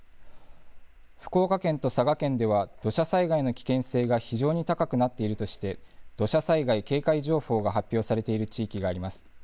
福岡県と佐賀県では、土砂災害の危険性が非常に高くなっているとして、土砂災害警戒情報が発表されている地域があります。